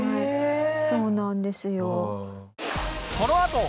そうなんですよ。